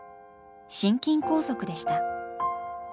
心筋梗塞でした。